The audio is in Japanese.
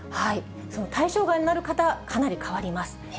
その対象外になる方、かなり変わります。